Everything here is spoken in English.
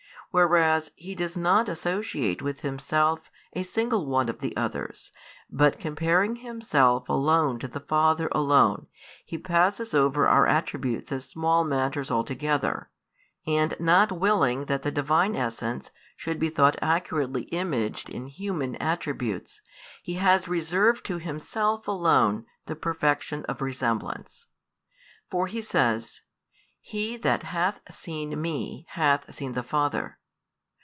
Whereas He does not associate with Himself a single one of the others, but comparing Himself alone |290 to the Father alone, He passes over our attributes as small matters altogether; and not willing that the Divine essence should be thought accurately imaged in human attributes, He has reserved to Himself alone the perfection of resemblance. For He says: He that hath seen Me hath seen the Father.